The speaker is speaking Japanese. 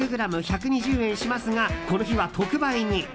１２０円しますがこの日は特売に。